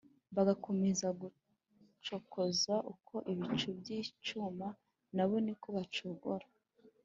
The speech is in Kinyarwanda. Bagakomeza kugucokoza Uko ibicu byicuma Nabo ni ko bacogora.